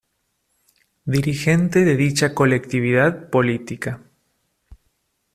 Dirigente de dicha colectividad política.